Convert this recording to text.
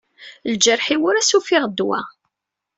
Ljeṛḥ-iw ur as-ufiɣ ddwa.